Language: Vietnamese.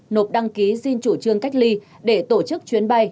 nộp đăng ký xin chủ trương cách ly để tổ chức chuyến bay